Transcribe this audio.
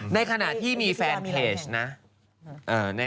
ในขณะที่มีแฟนเพจนะ